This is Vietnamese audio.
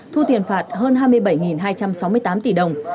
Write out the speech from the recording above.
thu tiền phạt hơn hai mươi bảy hai trăm sáu mươi tám tỷ đồng